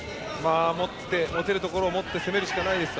持てるところを持って攻めるしかないです。